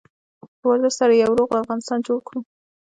په ورزش سره یو روغ افغانستان جوړ کړو.